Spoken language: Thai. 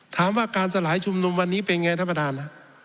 ถามว่าการสลายชุมนุมวันนี้เป็นไงท่านประธาน